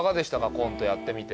コントやってみて。